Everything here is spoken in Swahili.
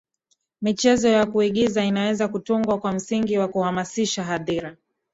michezo ya kuigiza inaweza kutungwa kwa msingi wa kuhamasisha hadhira